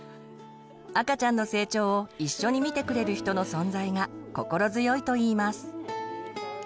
赤ちゃんの成長を一緒に見てくれる人の存在が心強いと言います。